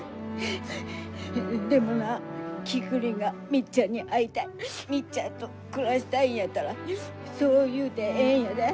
でもなキクリンがみっちゃんに会いたいみっちゃんと暮らしたいんやったらそう言うてええんやで。